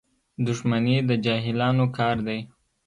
• دښمني د جاهلانو کار دی.